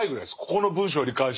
ここの文章に関しては。